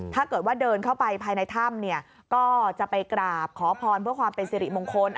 ถ้าเกิดว่าเดินเข้าไปภายในถ้ำก็จะไปกราบขอพรเพื่อความเป็นสิริมงคล